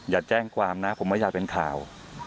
อย่าแจ้งความนะผมไม่อยากเป็นข่าว